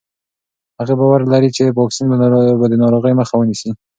هغې باور لري چې واکسین به د ناروغۍ مخه ونیسي.